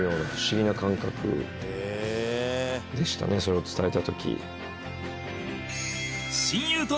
それを伝えた時。